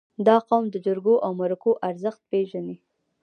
• دا قوم د جرګو او مرکو ارزښت پېژني.